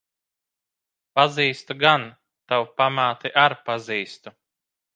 Pazīstu gan. Tavu pamāti ar pazīstu.